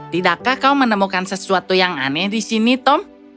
tidakkah kau menemukan sesuatu yang aneh di sini tom